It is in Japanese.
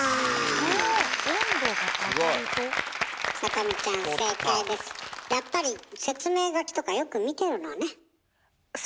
やっぱり説明書きとかよく見てるのね。